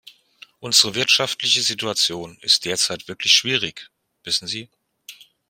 Unsere wirtschaftliche Situation ist derzeit wirklich schwierig, wissen Sie.